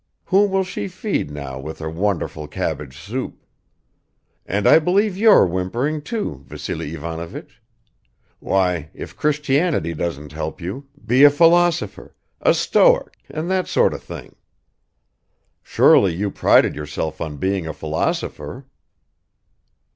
Whom will she feed now with her wonderful cabbage soup? And I believe you're whimpering too, Vassily Ivanovich! Why, if Christianity doesn't help you, be a philosopher, a Stoic, and that sort of thing! Surely you prided yourself on being a philosopher?"